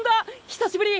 久しぶり！